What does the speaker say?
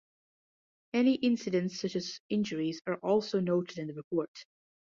Any incidents such as injuries are also noted in the report.